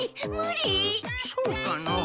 そうかのう。